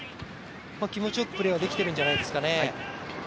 気持ちよくプレーできてるんじゃないですかね。